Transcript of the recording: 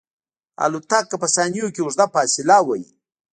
الوتکه په ثانیو کې اوږده فاصله وهي.